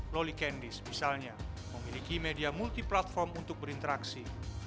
loli kandis misalnya memiliki media multiplatform untuk berinteraksi